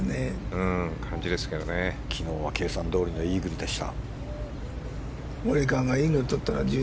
昨日は計算どおりのイーグルでした。